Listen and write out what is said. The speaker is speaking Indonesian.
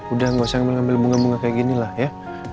udah gak usah ngambil bunga bunga kayak ginilah ya